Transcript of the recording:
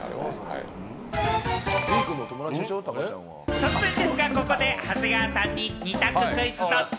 突然ですがここで長谷川さんに二択クイズ、ドッチ？